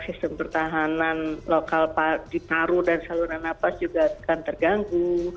sistem pertahanan lokal ditaruh dan saluran nafas juga akan terganggu